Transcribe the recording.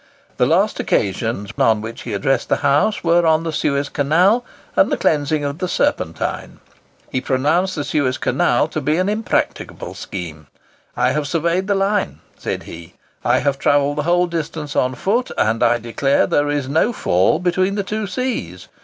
The last occasions on which he addressed the House were on the Suez Canal and the cleansing of the Serpentine. He pronounced the Suez Canal to be an impracticable scheme. "I have surveyed the line," said he, "I have travelled the whole distance on foot, and I declare there is no fall between the two seas.